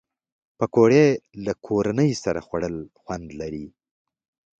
پکورې له کورنۍ سره خوړل خوند لري